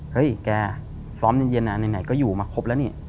เฮ้ยแกซ้อมเย็นไหนก็อยู่มาครบละนี่